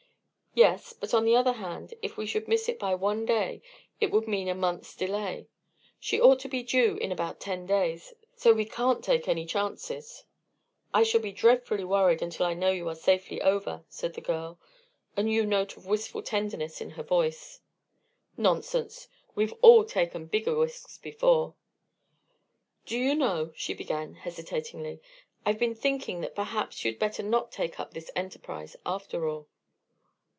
"Yes; but, on the other hand, if we should miss it by one day, it would mean a month's delay. She ought to be due in about ten days, so we can't take any chances." "I shall be dreadfully worried until I know you are safely over," said the girl, a new note of wistful tenderness in her voice. "Nonsense! We've all taken bigger risks before." "Do you know," she began, hesitatingly, "I've been thinking that perhaps you'd better not take up this enterprise, after all."